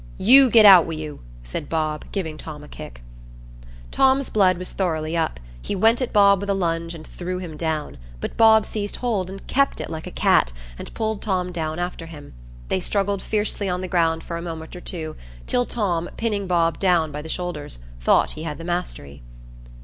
"You get out wi' you," said Bob, giving Tom a kick. Tom's blood was thoroughly up: he went at Bob with a lunge and threw him down, but Bob seized hold and kept it like a cat, and pulled Tom down after him. They struggled fiercely on the ground for a moment or two, till Tom, pinning Bob down by the shoulders, thought he had the mastery.